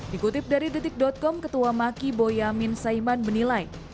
dikutip dari detik com ketua maki boyamin saiman menilai